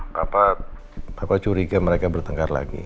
papa cuma curiga mereka bertengkar lagi